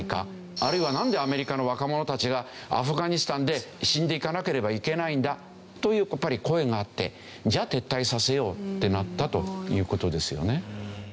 あるいはなんでアメリカの若者たちがアフガニスタンで死んでいかなければいけないんだというやっぱり声があってじゃあ撤退させようってなったという事ですよね。